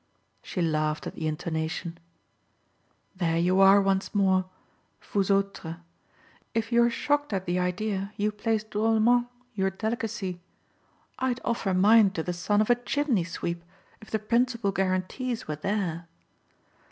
She laughed at the intonation. "There you are once more vous autres! If you're shocked at the idea you place drolement your delicacy. I'd offer mine to the son of a chimney sweep if the principal guarantees were there.